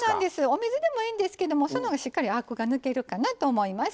お水でもいいんですけどもその方がしっかりアクが抜けるかなと思います。